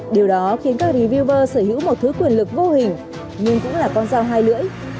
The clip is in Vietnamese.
điều đó khiến các revilver sở hữu một thứ quyền lực vô hình nhưng cũng là con dao hai lưỡi